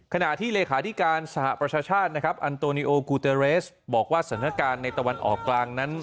ขณะที่เลขาธิการสหประชาชาตินะครับอันโตนิโอกูเตอร์เรสบอกว่าสถานการณ์ในตะวันออกกลางนั้น